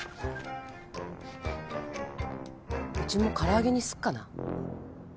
うちも唐揚げにすっかな。